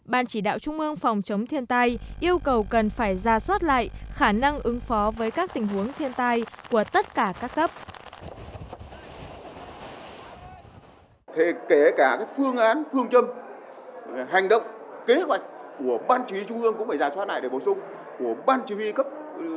ban chỉ đạo trung mương phòng chống thiên tai yêu cầu cần phải ra soát lại khả năng ứng phó với các tình huống thiên tai của tất cả các cấp